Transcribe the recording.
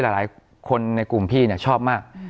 หลายคนในกลุ่มพี่ชอบมาก